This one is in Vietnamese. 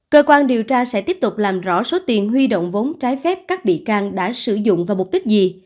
cơ quan điều tra sẽ tiếp tục làm rõ số tiền huy động vốn trái phép các bị can đã sử dụng vào mục đích gì